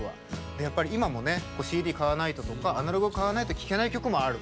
やっぱり今もＣＤ買わないととかアナログを買わないと聴けない曲もある。